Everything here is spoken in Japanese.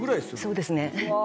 そうですね。